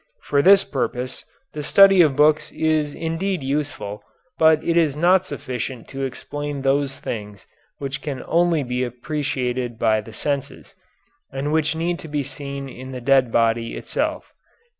For this purpose the study of books is indeed useful, but it is not sufficient to explain those things which can only be appreciated by the senses and which need to be seen in the dead body itself."